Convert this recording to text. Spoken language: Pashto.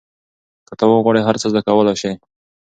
که ته وغواړې هر څه زده کولای سې.